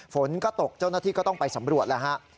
ฝนก็ตกเจ้าหน้าที่ก็ต้องไปสำรวจแล้วฮะ